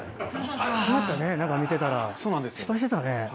そうやったね何か見てたら失敗してたね。